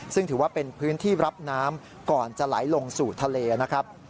ซึ่งถือว่าเป็นพื้นที่รับน้ำก่อนจะไหลลงสู่ทะเลนะครับ